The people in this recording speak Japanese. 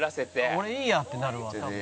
「俺いいやってなるわ多分」